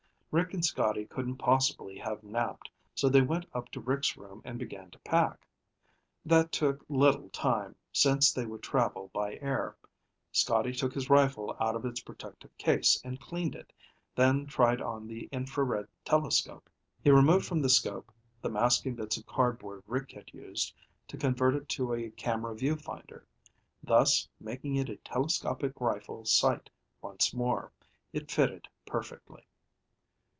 Rick and Scotty couldn't possibly have napped, so they went up to Rick's room and began to pack. That took little time, since they would travel by air. Scotty took his rifle out of its protective case and cleaned it, then tried on the infrared telescope. He removed from the 'scope the masking bits of cardboard Rick had used to convert it to a camera view finder, thus making it a telescopic rifle sight once more. It fitted perfectly.